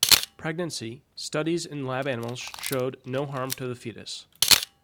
Pregnancy: Studies in lab animals showed no harm to the fetus.